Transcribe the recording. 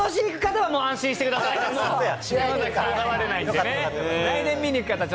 ことし行く方はもう安心してください。